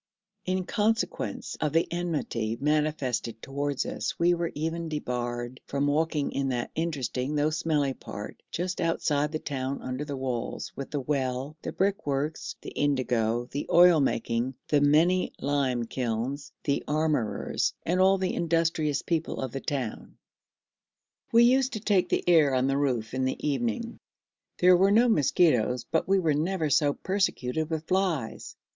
In consequence of the enmity manifested towards us we were even debarred from walking in that interesting though smelly part, just outside the town under the walls with the well, the brick works, the indigo, the oil making, the many lime kilns, the armourers, and all the industrious people of the town. We used to take the air on the roof in the evening; there were no mosquitos, but we were never so persecuted with flies.